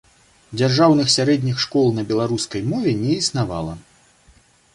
Дзяржаўных сярэдніх школ на беларускай мове не існавала.